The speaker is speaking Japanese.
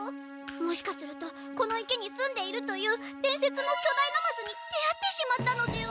もしかするとこの池に住んでいるというでんせつのきょだいナマズに出会ってしまったのでは？